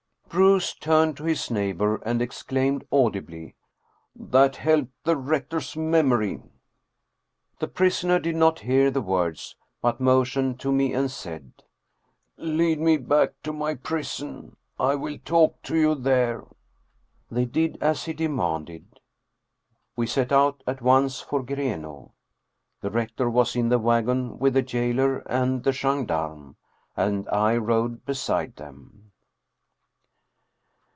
294 Steen Steensen Blicher Bruus turned to his neighbor and exclaimed audibly, " That helped the rector's memory." The prisoner did not hear the words, but motioned to me and said, " Lead me back to my prison. I will talk to you there." They did as he demanded. We set out at once for Grenaa. The rector was in the wagon with the jailer and the gendarme, and I rode be side them.